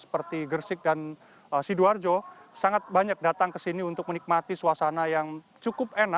seperti gersik dan sidoarjo sangat banyak datang ke sini untuk menikmati suasana yang cukup enak